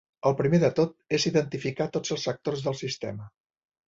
El primer de tot és identificar tots els actors del sistema.